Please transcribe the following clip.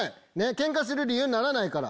ケンカする理由にならないから。